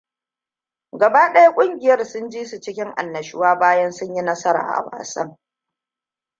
Gaba ɗaya ƙungiyar sun ji su cikin annashuwa, bayan sun yi nasara a wasan.